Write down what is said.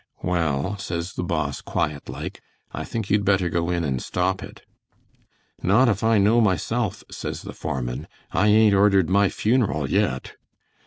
'Well,' says the Boss, quiet like, 'I think you'd better go in and stop it.' 'Not if I know myself,' says the foreman, 'I ain't ordered my funeral yet.'